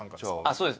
そうです